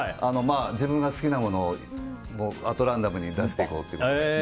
自分が好きなものをアトランダムに出していこうと。